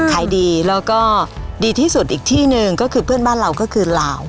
ขายดีและดีที่สุดอีกที่หนึ่งเค้าเข้ามีเรื่องอร่าว